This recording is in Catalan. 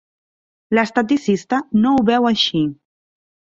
L'esteticista no ho veu així.